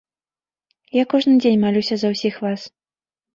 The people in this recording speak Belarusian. Я кожны дзень малюся за ўсіх вас.